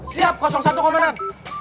siap satu komandan